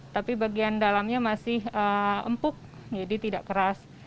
tapi bagian dalamnya masih empuk jadi tidak keras